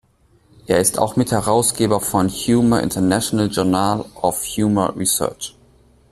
Er ist auch Mitherausgeber von "Humor-International Journal of Humor Research".